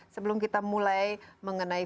sebelum kita mulai mengenai